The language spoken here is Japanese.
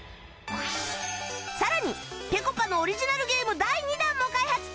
さらにぺこぱのオリジナルゲーム第２弾も開発中！